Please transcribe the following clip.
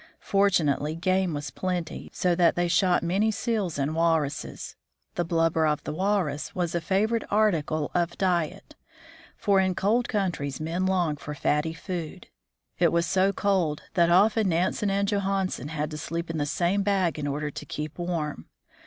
Fortunately game was plenty, so that they shot many seals and walruses. The blubber of the walrus was a favorite article of THE VOYAGE OF THE FRAM 129 diet, for in cold countries men long for fatty food. It was so cold that often Nansen and Johansen had to sleep in the same bag in order to keep warm.